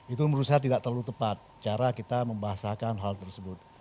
itu menurut saya tidak terlalu tepat cara kita membahasakan hal tersebut